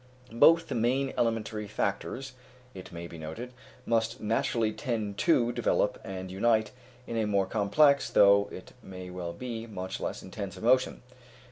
Both the main elementary factors, it must be noted, must naturally tend to develop and unite in a more complex, though it may well be much less intense, emotion.